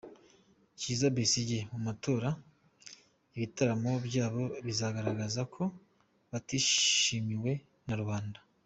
Kiiza Besigye mu matora, ibitaramo byabo bizagaragaza ko batishimiwe na rubanda.